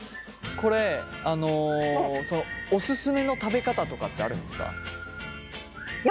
これオススメの食べ方とかってあるんですか？